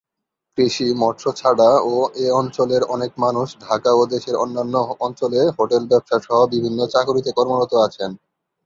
কৃষি, মৎস্য ছাড়া ও এ অঞ্চলের অনেক মানুষ ঢাকা ও দেশের অন্যান্য অঞ্চলে হোটেল ব্যবসা সহ বিভিন্ন চাকুরীতে কর্মরত আছেন।